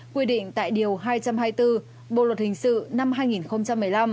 quy định tại điều hai trăm hai mươi bốn bộ luật hình sự năm hai nghìn một mươi năm